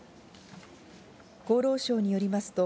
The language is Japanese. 厚労省によりますと